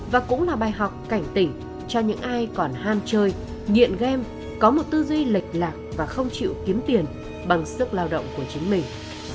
và cũng là bài học cảnh tỉnh cho những ai còn ham chơi nghiện game có một tư duy lệch lạc và không chịu kiếm tiền bằng sức lao động của chính mình